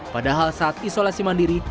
padahal saat isolasi mandiri